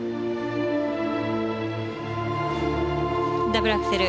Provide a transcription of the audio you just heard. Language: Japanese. ダブルアクセル。